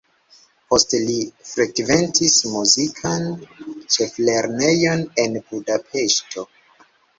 Poste li frekventis muzikan ĉeflernejon en Budapeŝto.